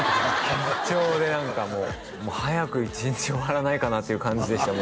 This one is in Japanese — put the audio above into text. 緊張で何かもう早く１日終わらないかなっていう感じでした